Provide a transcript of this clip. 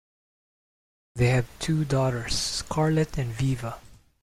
They have two daughters, Scarlett and Viva.